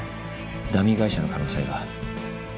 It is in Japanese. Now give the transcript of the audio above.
ダミー会社の可能性が。